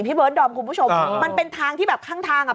เบิร์ดดอมคุณผู้ชมมันเป็นทางที่แบบข้างทางอ่ะ